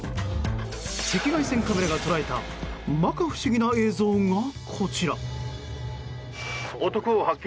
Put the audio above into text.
赤外線カメラが捉えた摩訶不思議な映像がこちら。